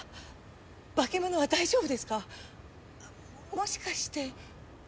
もしかして。